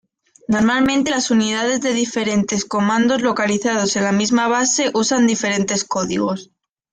Normalmente, las unidades de diferentes comandos localizados en la misma base usan diferentes códigos.